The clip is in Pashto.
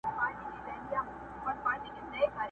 اوس هغه ښکلی کابل!!